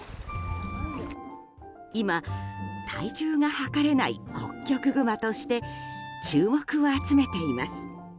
今、体重が量れないホッキョクグマとして注目を集めています。